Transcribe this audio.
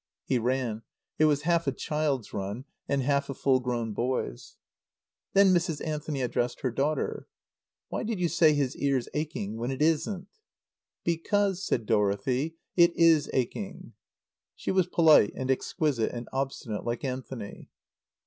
He ran. It was half a child's run and half a full grown boy's. Then Mrs. Anthony addressed her daughter. "Why did you say his ear's aching when it isn't?" "Because," said Dorothy, "it is aching." She was polite and exquisite and obstinate, like Anthony.